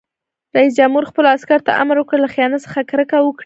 رئیس جمهور خپلو عسکرو ته امر وکړ؛ له خیانت څخه کرکه وکړئ!